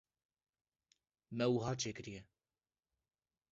me wiha çêkiriye.